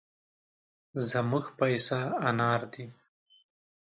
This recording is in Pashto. زموږ پيسه انار دي.